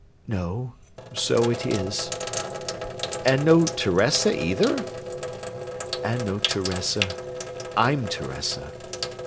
"No. So it is." "And no Teresa either?" "And no Teresa. I'm Teresa."